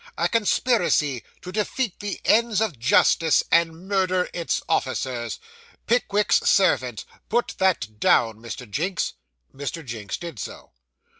'A conspiracy to defeat the ends of justice, and murder its officers. Pickwick's servant. Put that down, Mr. Jinks.' Mr. Jinks did so.